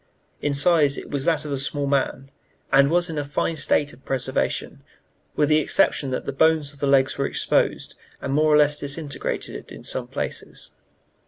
In size it was that of a small man, and was in a fine state of preservation, with the exception that the bones of the legs were exposed, and more or less disintegrated, in some places.